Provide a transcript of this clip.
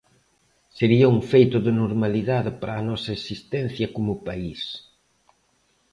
Sería un feito de normalidade para a nosa existencia como país.